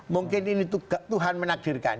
mungkin ini tuhan menakdirkan